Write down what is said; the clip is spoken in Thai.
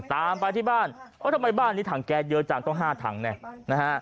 ตามไปที่บ้านทำไมบ้านนี้ถังแก๊สเยอะจังต้อง๕ถังเนี่ยนะฮะ